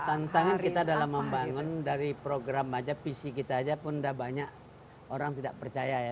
tantangan kita dalam membangun dari program aja visi kita aja pun udah banyak orang tidak percaya ya